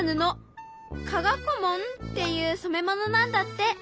加賀小紋っていう染め物なんだって。